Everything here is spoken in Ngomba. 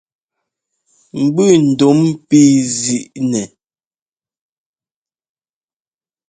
Mbʉ ndúm píi zǐi nɛ.